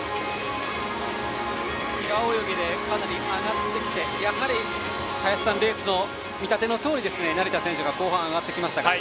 平泳ぎかなり上がってきて林さん、レースの見立てのとおり成田選手が後半上がってきました。